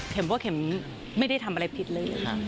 เพราะเข็มไม่ได้ทำอะไรผิดเลย